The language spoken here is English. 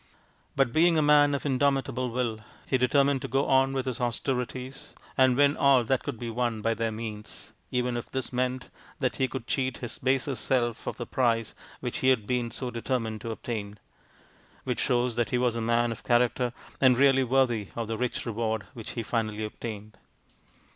But, being a man of indomitable will, he determined to go on with his austerities and win all that could be won by their means, even if this meant that he would cheat his baser self of the prize which he had been so deter mined to obtain : which shows that he was a man of character and really worthy of the rich reward which he finally obtained.